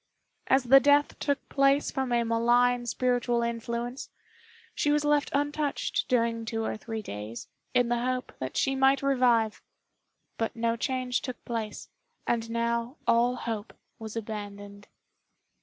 As the death took place from a malign spiritual influence, she was left untouched during two or three days, in the hope that she might revive; but no change took place, and now all hope was abandoned.